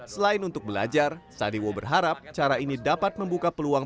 selain untuk belajar sadewo berharap cara ini dapat membuka peluang